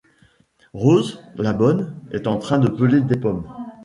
Rose, la bonne, est en train de peler des pommes.